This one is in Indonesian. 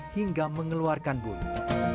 hingga mengeluarkan bunyi